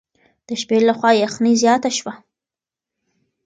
د شپې له خوا یخني زیاته شوه.